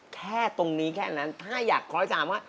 แค่ตรงนี้แค่นั้นถ้าอยากขอให้ถามว่า